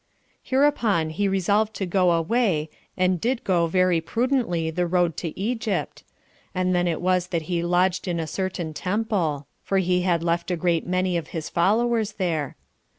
2. Hereupon he resolved to go away, and did go very prudently the road to Egypt; and then it was that he lodged in a certain temple; for he had left a great many of his followers there.